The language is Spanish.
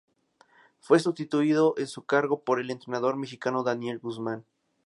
Fue sustituido en su cargo por el entrenador mexicano Daniel Guzmán.